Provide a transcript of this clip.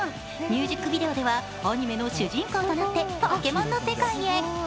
ミュージックビデオではアニメの主人公となってポケモンの世界へ。